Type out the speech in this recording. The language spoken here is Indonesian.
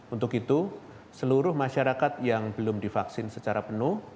untuk itu seluruh masyarakat yang belum divaksin secara penuh